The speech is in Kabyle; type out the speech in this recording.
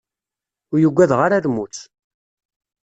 Ur ugadeɣ ara lmut.